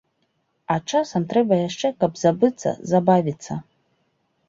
А часам трэба яшчэ, каб забыцца, забавіцца.